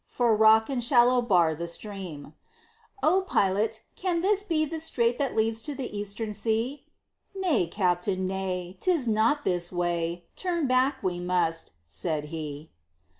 For rock and shallow bar the stream: "O Pilot, can this be the strait that leads to the Eastern Sea?" "Nay, Captain, nay; 'tis not this way; turn back we must," said he.